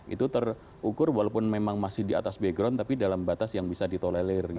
itu terukur walaupun memang masih di atas background tapi dalam batas yang bisa ditolelir